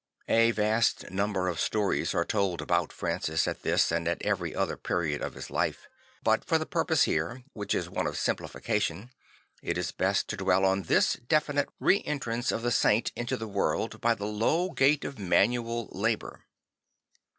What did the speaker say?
A vast number of stories are told about Francis at this as at every other period of his life; but for the purpose here, which is one of simplifi cation, it is best to dwell on this definite re entrance of the saint into the world by the low gate of manual labour.